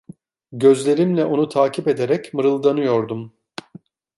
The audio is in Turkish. Gözlerimle onu takip ederek mırıldanıyordum.